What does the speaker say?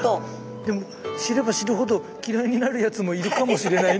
でも知れば知るほど嫌いになるやつもいるかもしれないね。